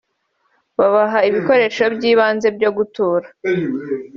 babaha ibikoresho by’ibanze byo gutura